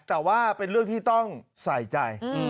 แต่ว่าเป็นเรื่องที่ต้องใส่ใจ